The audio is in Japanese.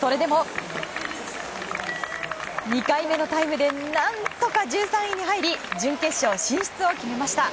それでも２回目のタイムで何とか１３位に入り準決勝進出を決めました。